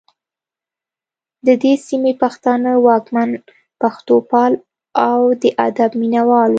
د دې سیمې پښتانه واکمن پښتوپال او د ادب مینه وال وو